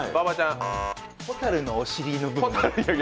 蛍のお尻の部分？